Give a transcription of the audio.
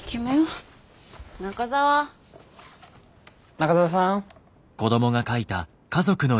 中澤さん。